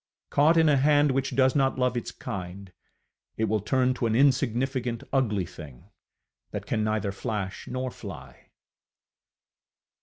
Caught in a hand which does not love its kind, it will turn to an insignificant, ugly thing, that can neither flash nor fly.